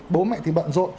bố mẹ thì bận rồi